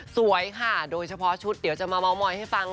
สวยค่ะโดยเฉพาะชุดเดี๋ยวจะมาเม้ามอยให้ฟัง